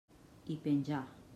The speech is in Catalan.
I penjà.